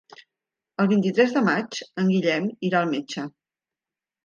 El vint-i-tres de maig en Guillem irà al metge.